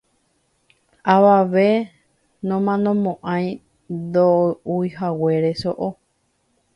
Avave nomanomo'ãi ndo'uihaguére so'o.